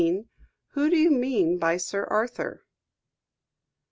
"WHO DO YOU MEAN BY SIR ARTHUR?"